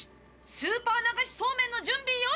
スーパー流しそうめんの準備よし！